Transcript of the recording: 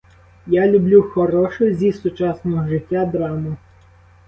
І я люблю хорошу зі сучасного життя драму.